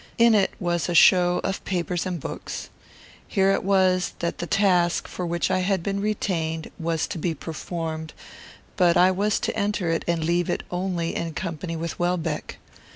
In it was a show of papers and books. Here it was that the task, for which I had been retained, was to be performed; but I was to enter it and leave it only in company with Welbeck.